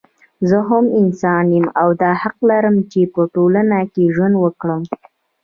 زه هم انسان يم او دا حق لرم چې په ټولنه کې ژوند وکړم